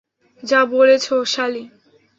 যা বলেছো, সালি!